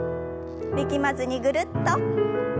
力まずにぐるっと。